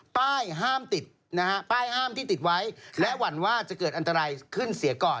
ป้ายห้ามที่ติดไว้และหวั่นว่าจะเกิดอันตรายขึ้นเสียก่อน